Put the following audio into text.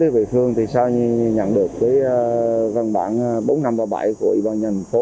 về phương sau nhận được văn bản bốn nghìn năm trăm ba mươi bảy của ủy ban nhân phố